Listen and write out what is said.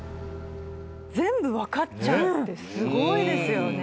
全部分かっちゃうってすごいですよね。